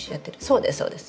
そうですそうです。